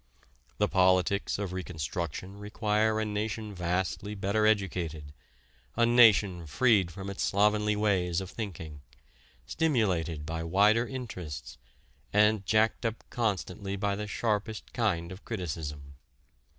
The politics of reconstruction require a nation vastly better educated, a nation freed from its slovenly ways of thinking, stimulated by wider interests, and jacked up constantly by the sharpest kind of criticism.